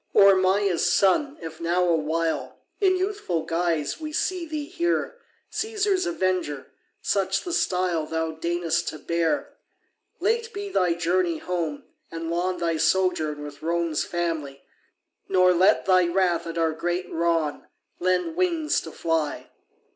Or Maia's son, if now awhile In youthful guise we see thee here, Caesar's avenger such the style Thou deign'st to bear; Late be thy journey home, and long Thy sojourn with Rome's family; Nor let thy wrath at our great wrong Lend wings to fly.